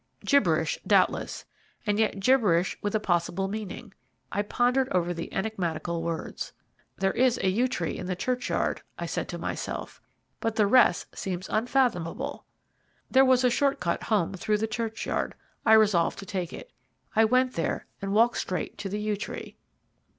Gibberish doubtless, and yet gibberish with a possible meaning. I pondered over the enigmatical words. "There is a yew tree in the churchyard," I said to myself, "but the rest seems unfathomable." There was a short cut home through the churchyard I resolved to take it. I went there and walked straight to the yew tree.